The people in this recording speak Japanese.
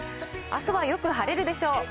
あすはよく晴れるでしょう。